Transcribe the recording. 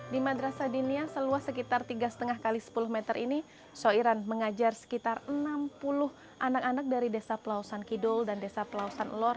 di madrasah dinia seluas sekitar tiga lima x sepuluh meter ini soiran mengajar sekitar enam puluh anak anak dari desa pelausan kidul dan desa pelausan elor